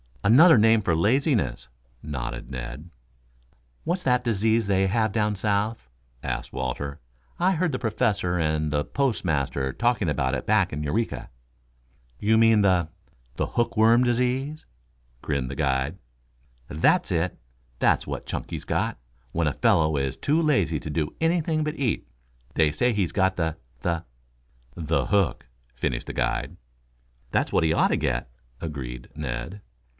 "Another name for laziness," nodded Ned. "What's that disease they have down south?" asked Walter. "I heard the Professor and the postmaster talking about it back in Eureka." "You mean the the hook worm disease?" grinned the guide. "That's it. That's what Chunky's got. When a fellow is too lazy to do anything but eat, they say he's got the the " "The hook " finished the guide. "That's what he ought to get," agreed Ned.